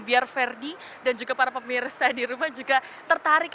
biar ferdi dan juga para pemirsa di rumah juga tertarik